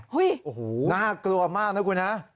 โอ้โหน่ากลัวมากนะคุณฮะ